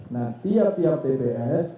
nah tiap tiap tps